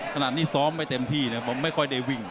ขนาดนี้ซ้อมไปเต็มที่เลยไม่ค่อยได้วิ่ง